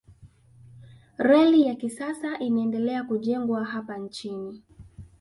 reli ya kisasa inaendelea kujengwa hapa nchini